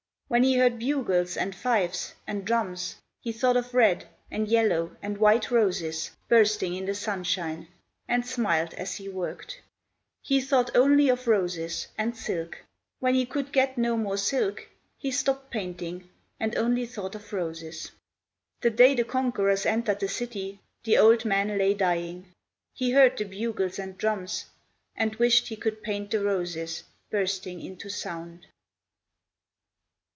When he heard bugles, and fifes, and drums, He thought of red, and yellow, and white roses Bursting in the sunshine, And smiled as he worked. He thought only of roses, And silk. When he could get no more silk He stopped painting And only thought Of roses. The day the conquerors Entered the city, The old man Lay dying. He heard the bugles and drums, And wished he could paint the roses Bursting into sound.